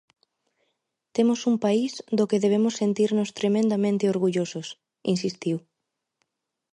Temos un país do que debemos sentirnos tremendamente orgullosos, insistiu.